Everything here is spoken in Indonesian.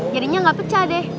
jadinya ga pecah deh